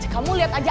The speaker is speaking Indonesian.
kamu lihat aja